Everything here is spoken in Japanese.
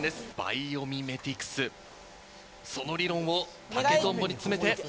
バイオミメティクスその理論を竹とんぼに詰めて。